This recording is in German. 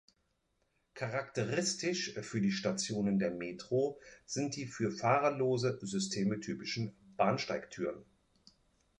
Charakteristisch für die Stationen der Metro sind die für fahrerlose Systeme typischen Bahnsteigtüren.